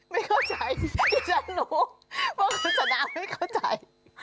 ไม่เข้าใจดิฉันรู้ว่าคุณสุนาไม่เข้าใจ